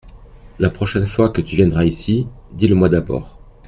La prochaine fois que tu viendras ici, dis-le-moi d’abord.